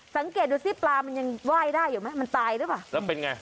สังเกตดูสิปลามันยังไหว้ได้อยู่ไหมมันตายหรือเปล่าแล้วเป็นไง